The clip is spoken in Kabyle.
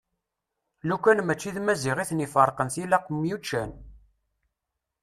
Lukan mačči d Maziɣ iten-iferqen tilaq myuččen.